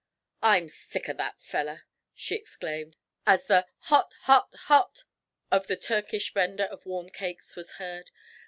'I'm sick of that feller!' she exclaimed, as the 'Hot hot hot!' of the Turkish vendor of warm cakes was heard.